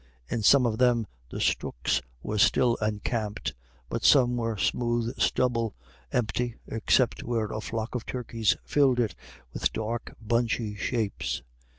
In some of them the stooks were still encamped, but some were smooth stubble, empty, except where a flock of turkeys filled it with dark, bunchy shapes.